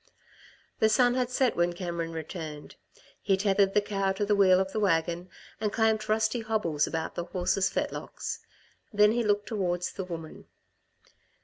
The sun had set when Cameron returned. He tethered the cow to the wheel of the wagon and clamped rusty hobbles about the horses' fetlocks. Then he looked towards the woman.